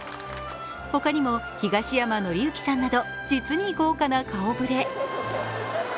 ほかにも東山紀之さんなど実に豪華な顔ぶれ。